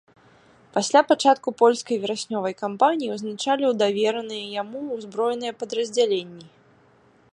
Пасля пачатку польскай вераснёвай кампаніі узначаліў давераныя яму ўзброеныя падраздзяленні.